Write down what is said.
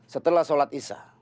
setelah sholat isya